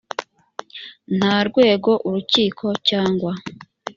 nta rwego urukiko cyangwa